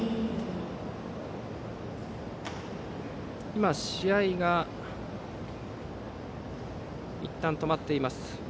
今、試合がいったん止まっています。